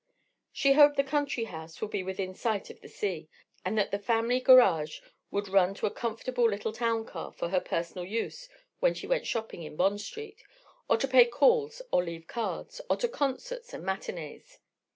She hoped the country house would be within sight of the sea, and that the family garage would run to a comfortable little town car for her personal use when she went shopping in Bond Street, or to pay calls or leave cards, or to concerts and matinees....